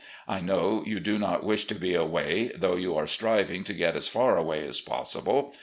I know you do not wish to be away, though you are striving to get as far away as possible.